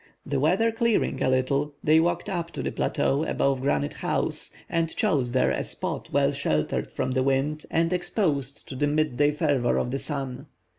The weather clearing a little, they walked up to the plateau above Granite House, and chose there a spot well sheltered from the wind, and exposed to the midday fervor of the sun.